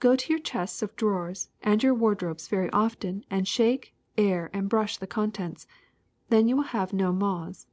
Go to your chests of drawers and your wardrobes very often and shake, air, and brush the contents ; then you will have no moths.